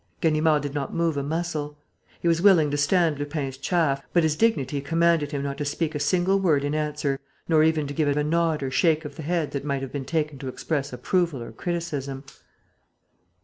Ganimard did not move a muscle. He was willing to stand Lupin's chaff, but his dignity commanded him not to speak a single word in answer nor even to give a nod or shake of the head that might have been taken to express approval or or criticism.